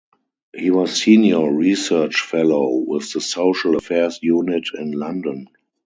He was Senior Research Fellow with the Social Affairs Unit in London.